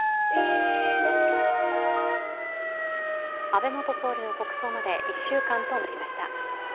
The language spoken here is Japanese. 安倍元総理の国葬まで１週間となりました。